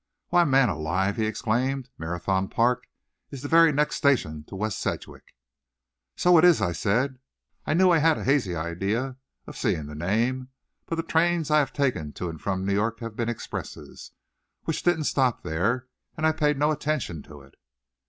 "Why, man alive!" he exclaimed, "Marathon Park is the very next station to West Sedgwick!" "So it is!" I said; "I knew I had a hazy idea of having seen the name, but the trains I have taken to and from New York have been expresses, which didn't stop there, and I paid no attention to it."